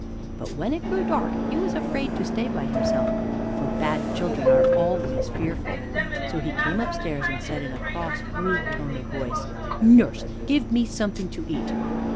But when it grew dark, he was afraid to stay by himself, for bad children are always fearful; so he came upstairs and said in a cross, rude tone of voice: "Nurse, give me something to eat."